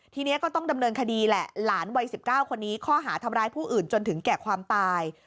ทีนี้ก็ต้องดำเนินคดีแหละหลานวัย๑๙คนนี้ข้อหาทำร้ายผู้อื่นจนถึงแก่ความตาย